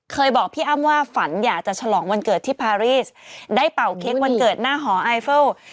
บอกพี่อ้ำว่าฝันอยากจะฉลองวันเกิดที่พารีสได้เป่าเค้กวันเกิดหน้าหอไอเฟิล